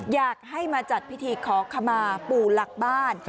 อยากให้มาจัดพิธีขอขมาปู่หลักบ้าน